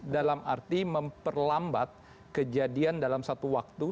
dalam arti memperlambat kejadian dalam satu waktu